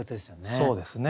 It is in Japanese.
そうですね。